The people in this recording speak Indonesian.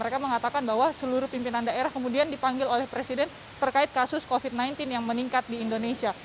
mereka mengatakan bahwa seluruh pimpinan daerah kemudian dipanggil oleh presiden terkait kasus covid sembilan belas yang meningkat di indonesia